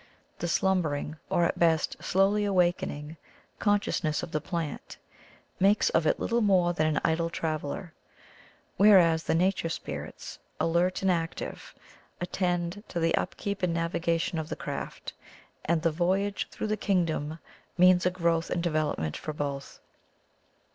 The slumber ing, or at best slowly awakening, conscious ness of the plant, makes of it little more than an idle traveller, whereas the nature spirits, alert and active, attend to the up keep and navigation of the craft, and the voyage through the kingdom means a growth and development for both.